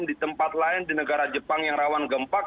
di tempat lain di negara jepang yang rawan gempa